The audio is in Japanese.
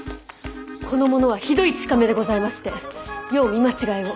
この者はひどい近目でございましてよう見間違えを。